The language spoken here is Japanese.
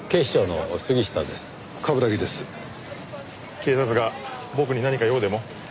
警察が僕に何か用でも？